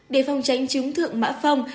để phòng tránh chứng thượng má phong